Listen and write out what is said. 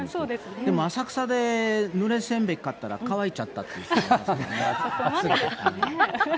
でも浅草でぬれせんべい買ったら、乾いちゃったって言ってましたからね。